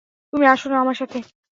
তুমি আসো না আমার সাথে।